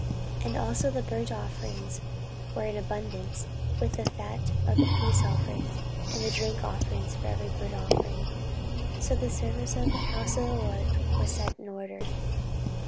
14:029:035 And also the burnt offerings were in abundance, with the fat of the peace offerings, and the drink offerings for every burnt offering. So the service of the house of the LORD was set in order.